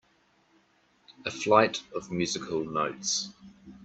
A flight of musical notes